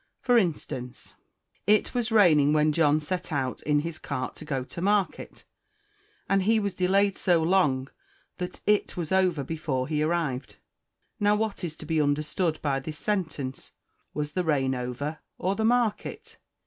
For instance, "It was raining when John set out in his cart to go to the market, and he was delayed so long that it was over before he arrived." Now what is to be understood by this sentence? Was the rain over? or the market?